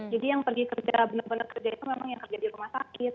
jadi yang pergi kerja benar benar kerja itu memang yang kerja di rumah sakit